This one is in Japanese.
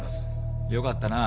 よかったな。